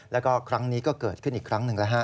แล้วก็ครั้งนี้ก็เกิดขึ้นอีกครั้งหนึ่งแล้วฮะ